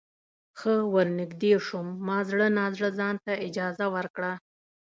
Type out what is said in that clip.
ښه ورنږدې شوم ما زړه نا زړه ځانته اجازه ورکړه.